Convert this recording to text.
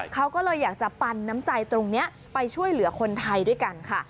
เขาก็เลยอยากจะปันน้ำใจตรงนี้ไปช่วยเหลือคนไทยด้วยกันค่ะ